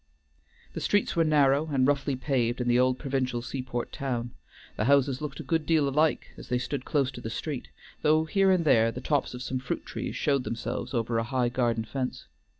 The streets were narrow and roughly paved in the old provincial seaport town; the houses looked a good deal alike as they stood close to the street, though here and there the tops of some fruit trees showed themselves over a high garden fence.